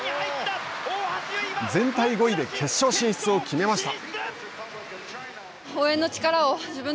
全体５位で決勝進出を決めました。